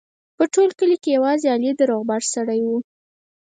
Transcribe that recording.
په ټول کلي کې یوازې علي د روغبړ سړی دی.